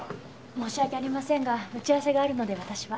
申し訳ありませんが打ち合わせがあるので私は。